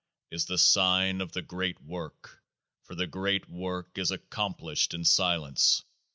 — is the sign of the GREAT WORK, for the GREAT WORK is ac complished in Silence.